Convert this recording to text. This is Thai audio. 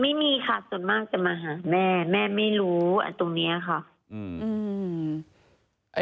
ส่วนมากจะมาหาแม่แม่ไม่รู้อันตรงเนี้ยค่ะอืม